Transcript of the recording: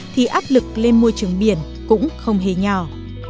thì áp lực lên môi trường biển cũng không hề nhỏ